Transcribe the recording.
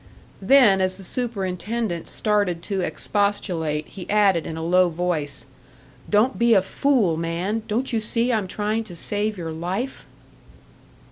Then, as the superintendent started to expostulate, he added, in a low voice, "Don't be a fool, man! Don't you see I'm trying to save your life?"